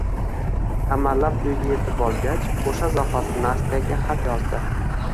Amallab uyga yetib olgach, oʻsha zahoti Nastyaga xat yozdi.